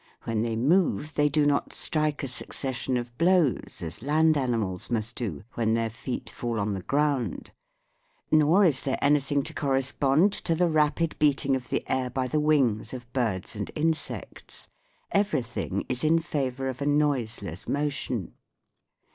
When they move they do not strike 132 THE WORLD OF SOUND a succession of blows as land animals must do when their feet fall on the ground ; nor is there anything to correspond to the rapid beating of the air by the wings of birds and insects. Every thing is in favour of a noiseless motion.